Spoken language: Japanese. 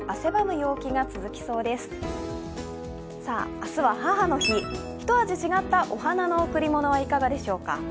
明日は母の日、一味違ったお花の贈り物はいかがでしょうか。